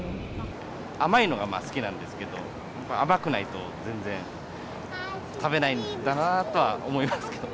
甘いのが好きなんですけど、甘くないと全然食べないんだなとは思いますけど。